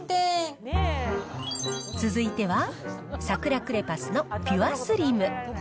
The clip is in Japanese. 続いては、サクラクレパスのピュアスリム。